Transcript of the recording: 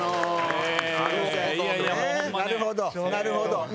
なるほどね。